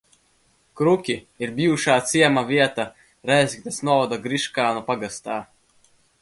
Kruki ir bijušā ciema vieta Rēzeknes novada Griškānu pagastā.